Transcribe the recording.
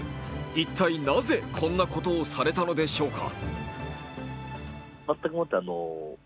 一体、なぜこんなことをされたのでしょうか。